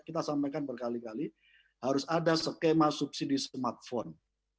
kita sampaikan berkali kali harus ada skema subsidi smartphone